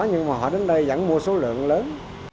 nhưng mà họ đến đây vẫn mua số lượng lớn